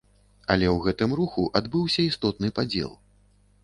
Але ў гэтым руху адбыўся істотны падзел.